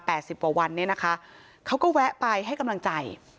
สิบกว่าวันเนี่ยนะคะเขาก็แวะไปให้กำลังใจ